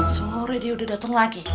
sore dia udah dateng lagi